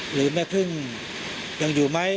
หรือแม่พึ่งยังอยู่ไหม